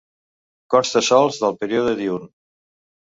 Consta sols del període diürn.